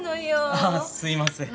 ああすいません。